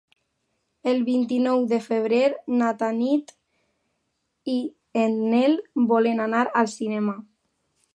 El vint-i-nou de febrer na Tanit i en Nel volen anar al cinema.